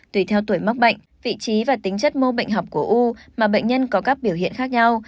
tùy theo tuổi mắc bệnh vị trí và tính chất mô bệnh học của u mà bệnh nhân có các biểu hiện khác nhau